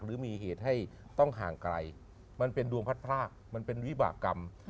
หรือมีเหตุให้ต้องห่างไกลมันเป็นดวงพัดพรากมันเป็นวิบากรรม